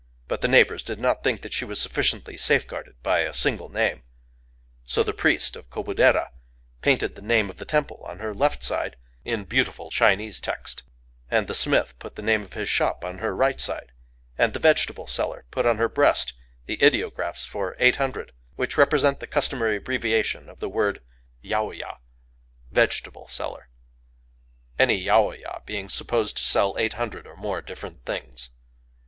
But the neighbors did not think that she was sufficiently safeguarded by a single name. So the priest of Kobudera painted the name of the temple on her left side, in beautiful Chinese text; and the smith put the name of his shop on her right side; and the vegetable seller put on her breast the ideographs for "eight hundred,"—which represent the customary abbreviation of the word yaoya (vegetable seller),—any yaoya being supposed to sell eight hundred or more different things.